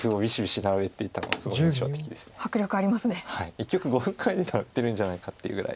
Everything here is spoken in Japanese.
一局５分ぐらいで並べてるんじゃないかっていうぐらい。